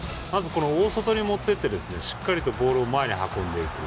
大外に持っていって、しっかりとボールを前に運んでいく。